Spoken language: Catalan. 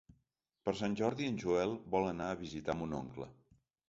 Per Sant Jordi en Joel vol anar a visitar mon oncle.